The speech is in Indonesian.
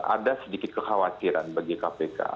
ada sedikit kekhawatiran bagi kpk